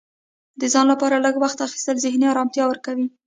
د ځان لپاره لږ وخت اخیستل ذهني ارامتیا ورکوي.